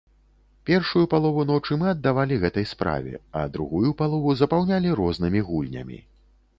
Першую палову ночы мы аддавалі гэтай справе, а другую палову запаўнялі рознымі гульнямі.